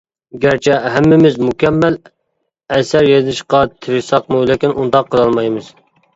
گەرچە ھەممىمىز مۇكەممەل ئەسەر يېزىشقا تىرىشساقمۇ لېكىن ئۇنداق قىلالمايمىز.